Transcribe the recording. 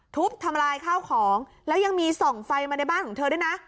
ทุบทำลายข้าวของแล้วยังมีส่องไฟมาในบ้านของเธอด้วยนะ